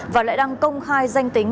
và lại đăng công khai danh tính